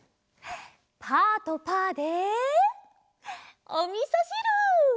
パーとパーでおみそしる！